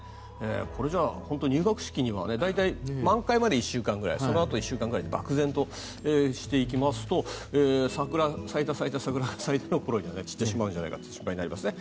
これじゃあ、本当に入学式には大体満開まで１週間くらいそのあと１週間ぐらいで漠然としていきますと桜、咲いた咲いた桜が咲いたの頃には散ってしまうんじゃないかと心配になりますね。